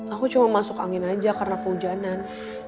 aku cuma masuk angin aja karena kehujanan